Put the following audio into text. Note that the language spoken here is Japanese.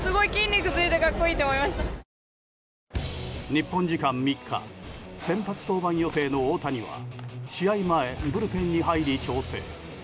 日本時間３日先発登板予定の大谷は試合前、ブルペンに入り、調整。